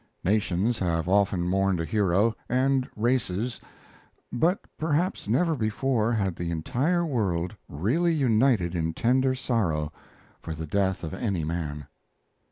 Nations have often mourned a hero and races but perhaps never before had the entire world really united in tender sorrow for the death of any man.